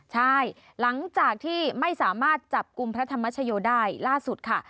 ใช่หลังจากที่ไม่สามารถจับกลุ่มพระธรรมชโยได้ล่าสุดค่ะ